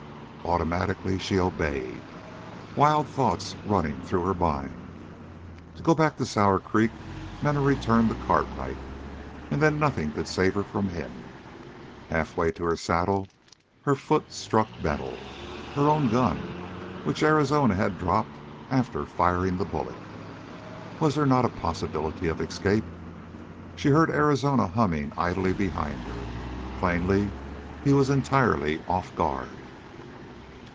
Automatically she obeyed, wild thoughts running through her mind. To go back to Sour Creek meant a return to Cartwright, and then nothing could save her from him. Halfway to her saddle her foot struck metal, her own gun, which Arizona had dropped after firing the bullet. Was there not a possibility of escape? She heard Arizona humming idly behind her. Plainly he was entirely off guard.